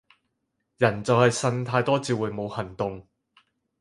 人就係呻太多至會冇行動